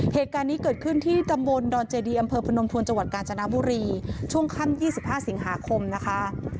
เหตุการณ์นี้เกิดขึ้นที่ตำบลดอนเจดีอำเภอพนมทวนจังหวัดกาญจนบุรีช่วงค่ำ๒๕สิงหาคมนะคะ